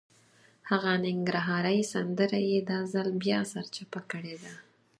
هغه ننګرهارۍ سندره یې دا ځل بیا سرچپه کړې ده.